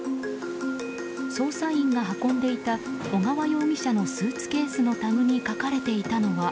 捜査員が運んでいた小川容疑者のスーツケースのタグに書かれていたのは